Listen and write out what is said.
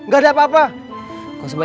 gak ada apa apa